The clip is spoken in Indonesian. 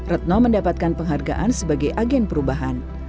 retno mendapatkan penghargaan sebagai agen perubahan